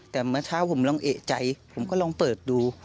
แต่เมื่อเช้าผมลองเอกใจผมก็ลองเปิดดู